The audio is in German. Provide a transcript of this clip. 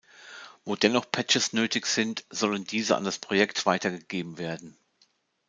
Wo dennoch Patches nötig sind, sollen diese an das Projekt weitergegeben werden.